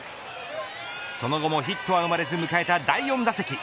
その後もヒットは生まれず迎えた第４打席。